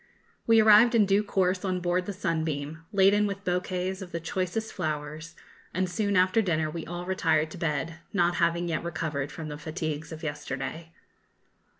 We arrived in due course on board the 'Sunbeam,' laden with bouquets of the choicest flowers, and soon after dinner we all retired to bed, not having yet recovered from the fatigues of yesterday.